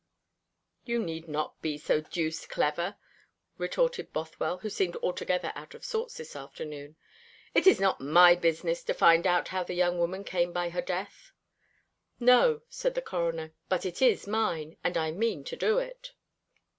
"You need not be so deuced clever," retorted Bothwell, who seemed altogether out of sorts this afternoon. "It is not my business to find out how the young woman came by her death." "No," said the Coroner, "but it is mine; and I mean to do it."